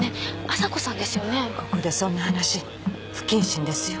ここでそんな話不謹慎ですよ。